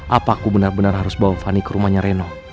apa aku benar benar harus bawa fani ke rumahnya reno